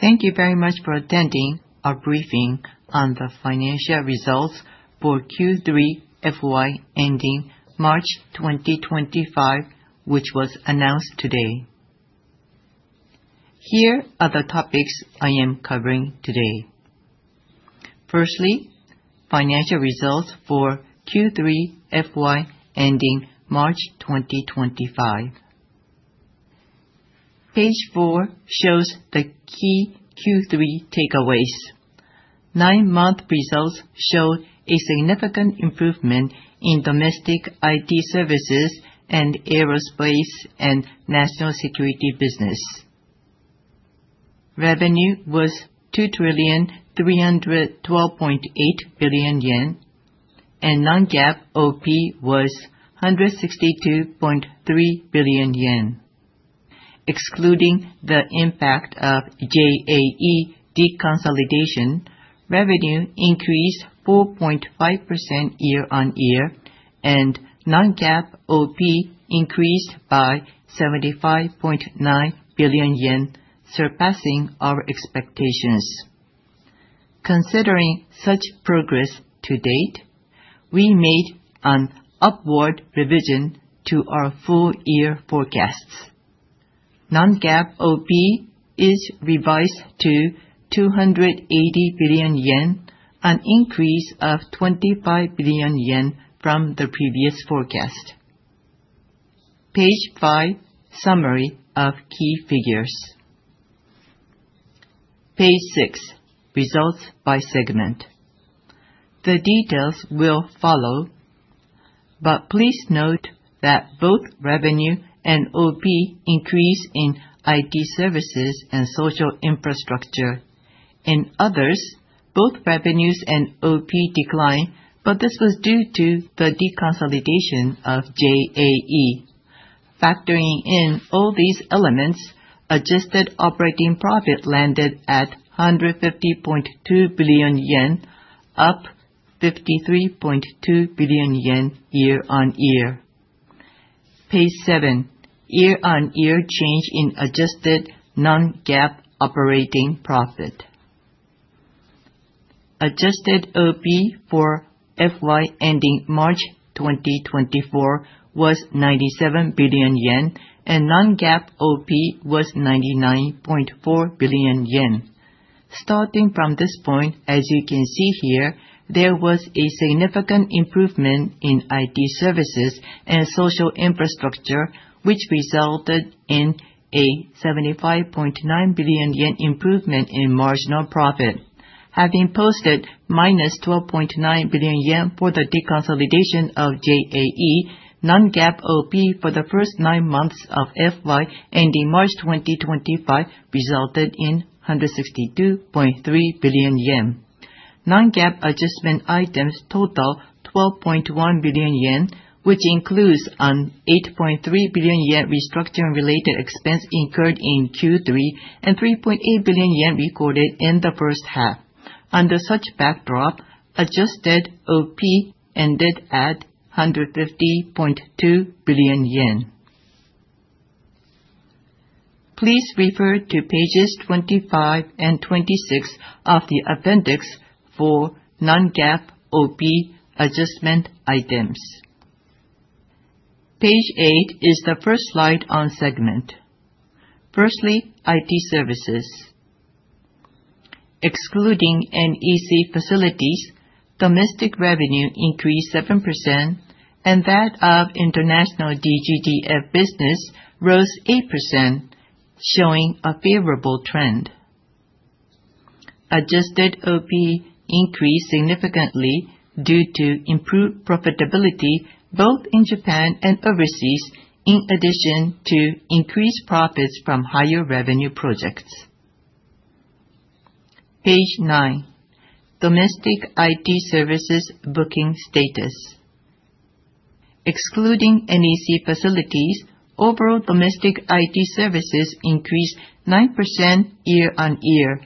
Thank you very much for attending our briefing on the financial results for Q3 FY ending March 2025, which was announced today. Here are the topics I am covering today. Firstly, financial results for Q3 FY ending March 2025. Page 4 shows the key Q3 takeaways. Nine-month results showed a significant improvement in domestic IT services and aerospace and national security business. Revenue was 2,312.8 billion yen, and non-GAAP OP was 162.3 billion yen. Excluding the impact of JAE deconsolidation, revenue increased 4.5% year-on-year, and non-GAAP OP increased by 75.9 billion yen, surpassing our expectations. Considering such progress to date, we made an upward revision to our full-year forecasts. Non-GAAP OP is revised to 280 billion yen, an increase of 25 billion yen from the previous forecast. Page 5 summary of key figures. Page 6 results by segment. The details will follow, but please note that both revenue and OP increase in IT services and social infrastructure. In others, both revenues and OP decline, but this was due to the deconsolidation of JAE. Factoring in all these elements, adjusted operating profit landed at 150.2 billion yen, up 53.2 billion yen year-on-year. Page 7 year-on-year change in adjusted non-GAAP operating profit. Adjusted OP for FY ending March 2024 was 97 billion yen, and non-GAAP OP was 99.4 billion yen. Starting from this point, as you can see here, there was a significant improvement in IT services and social infrastructure, which resulted in a 75.9 billion yen improvement in marginal profit. Having posted 12.9 billion yen for the deconsolidation of JAE, non-GAAP OP for the first nine months of FY ending March 2025 resulted in 162.3 billion yen. Non-GAAP adjustment items total 12.1 billion yen, which includes an 8.3 billion yen restructuring-related expense incurred in Q3 and 3.8 billion yen recorded in the first half. Under such backdrop, adjusted OP ended at JPY 150.2 billion. Please refer to Pages 25 and 26 of the appendix for non-GAAP OP adjustment items. Page 8 is the first slide on segment. Firstly, IT services. Excluding NEC Facilities, domestic revenue increased 7%, and that of international DG/DF business rose 8%, showing a favorable trend. Adjusted OP increased significantly due to improved profitability both in Japan and overseas, in addition to increased profits from higher revenue projects. Page 9, domestic IT services booking status. Excluding NEC Facilities, overall domestic IT services increased 9% year-on-year,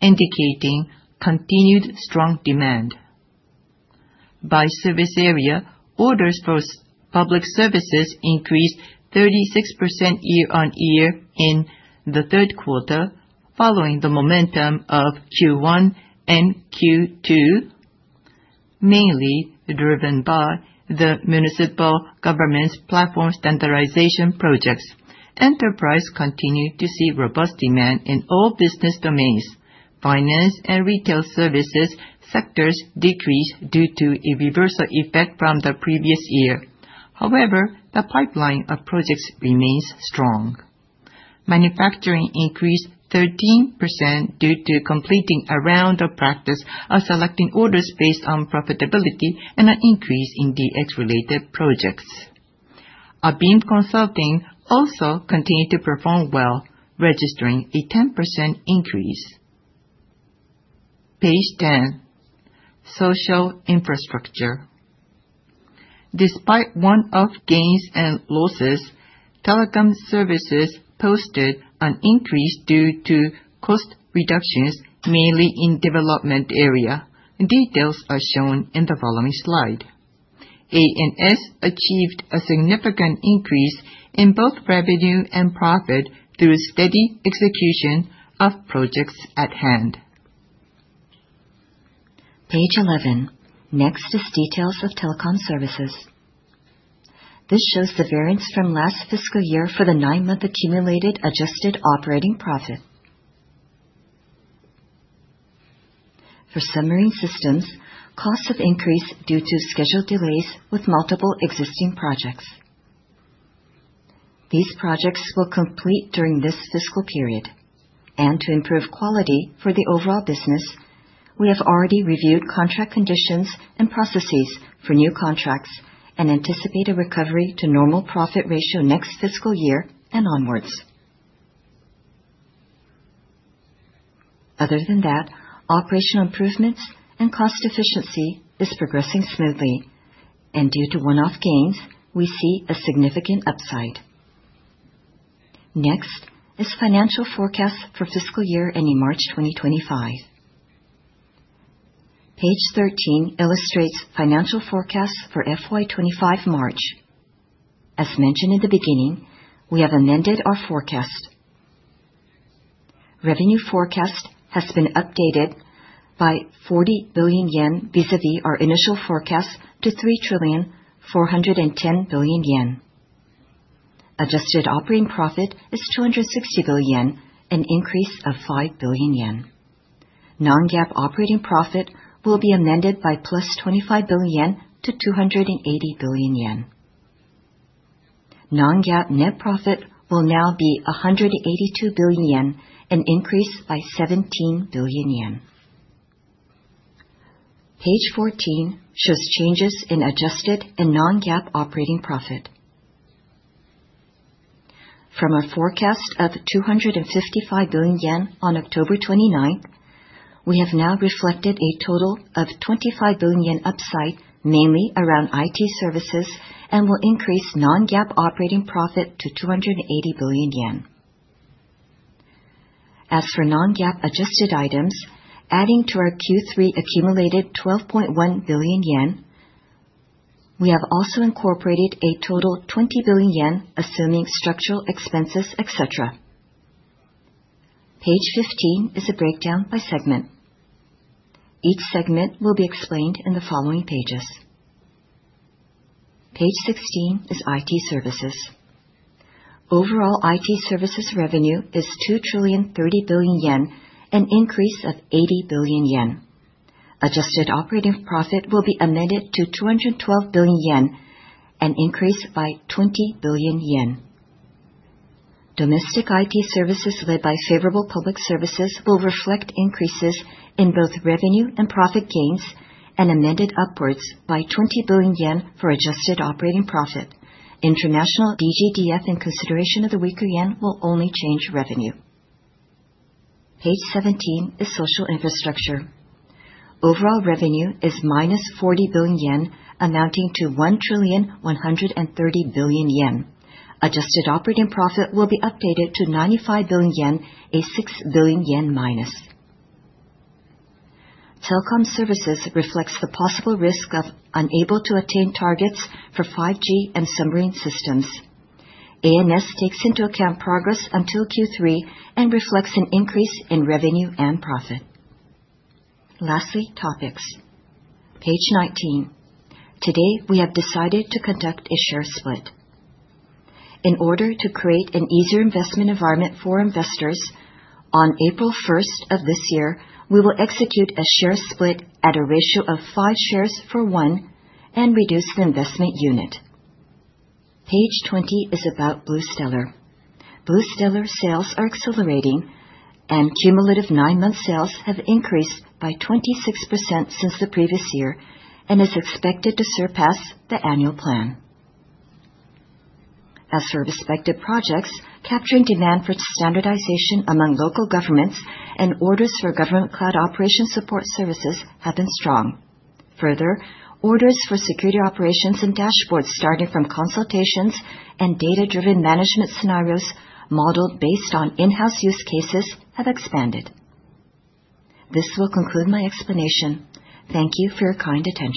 indicating continued strong demand. By service area, orders for public services increased 36% year-on-year in the third quarter, following the momentum of Q1 and Q2, mainly driven by the municipal government's platform standardization projects. Enterprise continued to see robust demand in all business domains. Finance and retail services sectors decreased due to a reversal effect from the previous year. However, the pipeline of projects remains strong. Manufacturing increased 13% due to completing a round of practice of selecting orders based on profitability and an increase in DX-related projects. ABeam Consulting also continued to perform well, registering a 10% increase. Page 10, social infrastructure. Despite one-off gains and losses, telecom services posted an increase due to cost reductions, mainly in the development area. Details are shown in the following slide. A&S achieved a significant increase in both revenue and profit through steady execution of projects at hand. Page 11, next is details of telecom services. This shows the variance from last fiscal year for the nine-month accumulated adjusted operating profit. For submarine systems, costs have increased due to schedule delays with multiple existing projects. These projects will complete during this fiscal period, and to improve quality for the overall business, we have already reviewed contract conditions and processes for new contracts and anticipate a recovery to normal profit ratio next fiscal year and onwards. Other than that, operational improvements and cost efficiency are progressing smoothly, and due to one-off gains, we see a significant upside. Next is financial forecasts for fiscal year ending March 2025. Page 13 illustrates financial forecasts for FY 2025 March. As mentioned in the beginning, we have amended our forecast. Revenue forecast has been updated by 40 billion yen vis-à-vis our initial forecast to 3,410 billion yen. Adjusted operating profit is 260 billion yen, an increase of 5 billion yen. Non-GAAP operating profit will be amended by +25 billion yen to 280 billion yen. Non-GAAP net profit will now be 182 billion yen, an increase by 17 billion yen. Page 14 shows changes in adjusted and non-GAAP operating profit. From a forecast of 255 billion yen on October 29, we have now reflected a total of 25 billion yen upside, mainly around IT services, and will increase non-GAAP operating profit to 280 billion yen. As for non-GAAP adjusted items, adding to our Q3 accumulated 12.1 billion yen, we have also incorporated a total of 20 billion yen, assuming structural expenses, etc. Page 15 is a breakdown by segment. Each segment will be explained in the following pages. Page 16 is IT services. Overall IT services revenue is 2,030 billion yen, an increase of 80 billion yen. Adjusted operating profit will be amended to 212 billion yen, an increase by 20 billion yen. Domestic IT services led by favorable public services will reflect increases in both revenue and profit gains, and amended upwards by 20 billion yen for adjusted operating profit. International DGDF, in consideration of the weaker yen, will only change revenue. Page 17 is social infrastructure. Overall revenue is minus 40 billion yen, amounting to 1,130 billion yen. Adjusted operating profit will be updated to 95 billion yen, a 6 billion yen-. Telecom services reflects the possible risk of unable to attain targets for 5G and submarine systems. A&S takes into account progress until Q3 and reflects an increase in revenue and profit. Lastly, topics. Page 19. Today, we have decided to conduct a share split. In order to create an easier investment environment for investors, on April 1 of this year, we will execute a share split at a ratio of five shares for one and reduce the investment unit. Page 20 is about BluStellar. BluStellar sales are accelerating, and cumulative nine-month sales have increased by 26% since the previous year and is expected to surpass the annual plan. As for respective projects, capturing demand for standardization among local governments and orders for Government Cloud operation support services have been strong. Further, orders for security operations and dashboards, starting from consultations and data-driven management scenarios modeled based on in-house use cases, have expanded. This will conclude my explanation. Thank you for your kind attention.